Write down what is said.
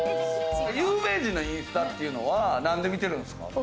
有名人のインスタっていうのは何で見てるんですか？